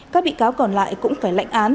các bị cáo còn lại cũng phải lệnh án